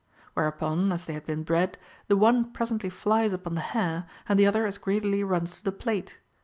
Wherenpon, as they had been bred, the one presently flies upon the hare, and the other as greedily runs to the plate.